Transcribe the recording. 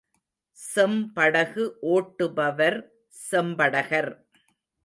செம் படகு ஓட்டுபவர் செம்படகர்.